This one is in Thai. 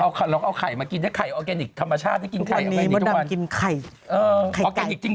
เอาไงแม่งเรียงไว้เจ้าของ